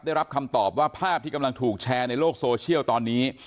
ได้รับคำตอบว่าภาพที่กำลังถูกแชร์ในโลกโซเชียลตอนนี้